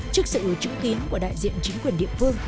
trước sự chứng kiến của đại diện chính quyền địa phương